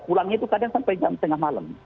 pulangnya itu kadang sampai jam setengah malam